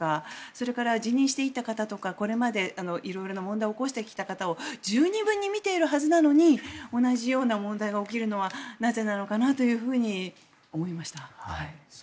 それから辞任していった方とかこれまで色んな問題を起こしてきた方を十二分に見ているはずなのに同じような問題が起きるのはなぜなのかなというふうに思いました。